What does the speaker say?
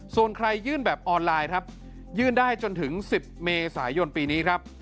ส่วนใครยื่นแบบออนไลน์ครับยื่นได้จนถึง๑๐เมษายนปีนี้ครับ